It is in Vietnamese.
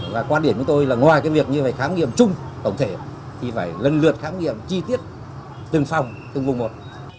và quan điểm của tôi là ngoài cái việc như phải khám nghiệm chung tổng thể thì phải lần lượt khám nghiệm chi tiết từng phòng từng vùng một